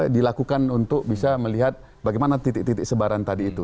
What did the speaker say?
dilakukan untuk bisa melihat bagaimana titik titik sebaran tadi itu